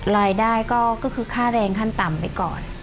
รายได้ก็คือค่าแรงขั้นต่ำไปก่อน